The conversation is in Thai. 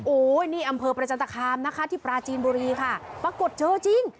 โอ้โหนี่อำเภอประจันตคามนะคะที่ปราจีนบุรีค่ะปรากฏเจอจริง